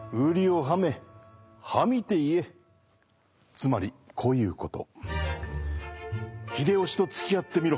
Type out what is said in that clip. つまりこういうこと。